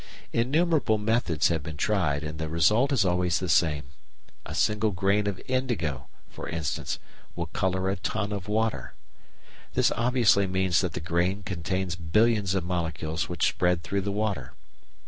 Innumerable methods have been tried, and the result is always the same. A single grain of indigo, for instance, will colour a ton of water. This obviously means that the grain contains billions of molecules which spread through the water.